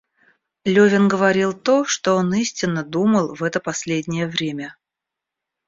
Левин говорил то, что он истинно думал в это последнее время.